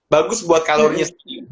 bagus buat kalorinya